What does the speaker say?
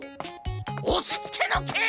おしつけのけい！